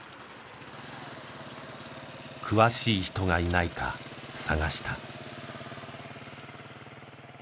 詳しい人がいないか探した。